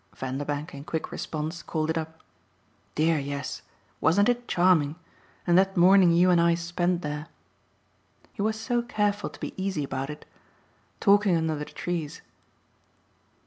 Vanderbank, in quick response, called it up. "Dear yes wasn't it charming? And that morning you and I spent there" he was so careful to be easy about it "talking under the trees."